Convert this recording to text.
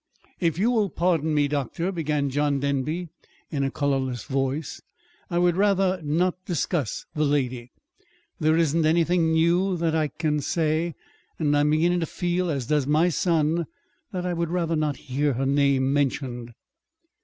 "If you will pardon me, doctor," began John Denby in a colorless voice, "I would rather not discuss the lady. There isn't anything new that I can say, and I am beginning to feel as does my son that I would rather not hear her name mentioned."